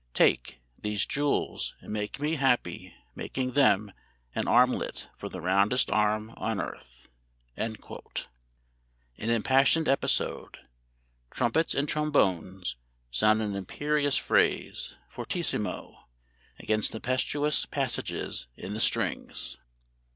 ("Take ... These jewels, and make me happy, making them An armlet for the roundest arm on earth.") [An impassioned episode. Trumpets and trombones sound an imperious phrase, fortissimo, against tempestuous passages in the strings.